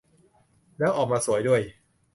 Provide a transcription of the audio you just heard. แล้วออกมาสวยด้วย